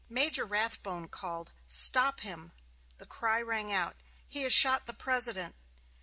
Major Rathbone called, "Stop him!" The cry rang out, "He has shot the President!"